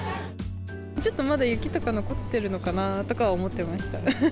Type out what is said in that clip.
ちょっとまだ雪とか残ってるのかなとか思ってました。